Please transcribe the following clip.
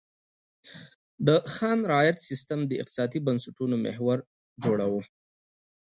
د خان رعیت سیستم د اقتصادي بنسټونو محور جوړاوه.